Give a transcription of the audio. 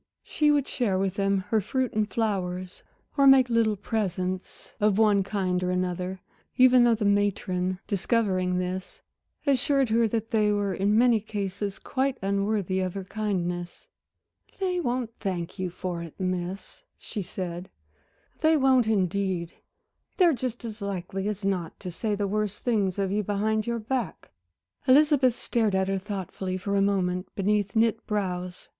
She would share with them her fruit and flowers, or make little presents of one kind or another, even though the matron, discovering this assured her that they were in many cases quite unworthy of her kindness. "They won't thank you for it, Miss," she said "they won't indeed. They're just as likely as not to say the worst things of you behind your back." Elizabeth stared at her thoughtfully for a moment beneath knit brows.